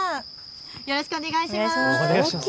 よろしくお願いします。